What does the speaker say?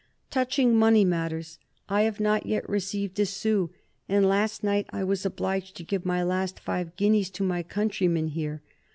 "Touching money matters, I have not yet received a sou, and last night I was obliged to give my last five guineas to my countrymen here.